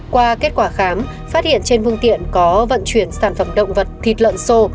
qua kết quả khám phát hiện trên phương tiện có vận chuyển sản phẩm động vật thịt lợn sô